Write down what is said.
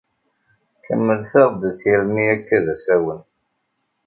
Kemmlet-aɣ-d tirni Akka d asawen.